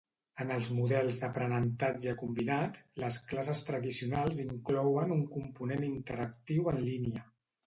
En els models d'aprenentatge combinat, les classes tradicionals inclouen un component interactiu en línia.